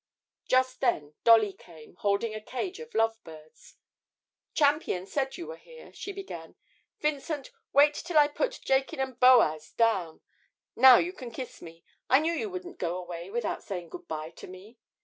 Just then Dolly came, holding a cage of lovebirds. 'Champion said you were here,' she began. 'Vincent, wait till I put Jachin and Boaz down. Now you can kiss me. I knew you wouldn't go away without saying good bye to me.